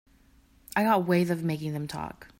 I got ways of making them talk.